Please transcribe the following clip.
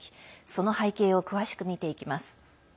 その背景を詳しく見ていきます。